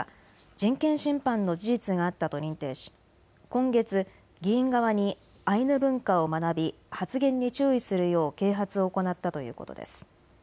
人権侵犯の事実があったと認定し今月、議員側にアイヌ文化を学び発言に注意するよう啓発を行ったということです。